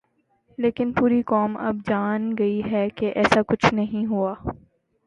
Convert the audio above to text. لیکن پوری قوم اب جان گئی ہے کہ ایسا کچھ نہیں ہوا۔